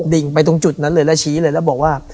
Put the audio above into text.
ดิ่งไปตรงจุดนั้นเลยแล้วชี้เลยแล้วบอกว่า